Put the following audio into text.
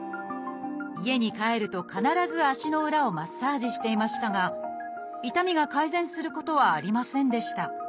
家に帰ると必ず足の裏をマッサージしていましたが痛みが改善することはありませんでした。